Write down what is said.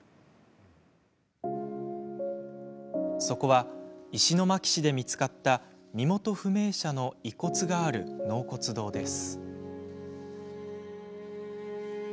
そこは、石巻市で見つかった身元不明者の遺骨がある納骨堂です。